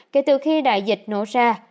kể từ khi đại dịch nổ ra